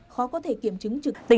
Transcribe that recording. khó có thể kiểm chứng trực tiếp